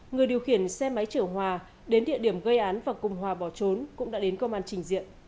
người điều khiển xe máy chở hòa đến địa điểm gây án và cùng hòa bỏ trốn cũng đã đến công an trình diện